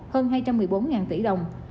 hơn hai trăm một mươi bốn tỷ đồng